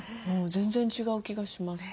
全然違う気がします。